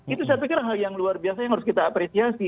itu saya pikir hal yang luar biasa yang harus kita apresiasi